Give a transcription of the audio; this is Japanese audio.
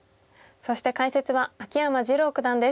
そして解説は秋山次郎九段です。